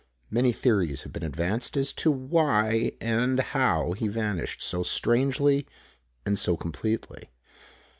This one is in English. Many theories have been advanced as to why and how he vanished so strangely and so completely.